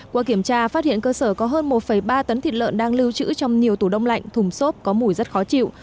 qua kiểm tra phát hiện cơ sở có hơn một ba tấn thịt lợn đang lưu trữ trong nhiều tủ đông lạnh thùng xốp có mùi rất khó chịu